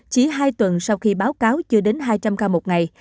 chỉ hai tuần sau khi báo cáo chưa đến hai trăm linh ca một ngày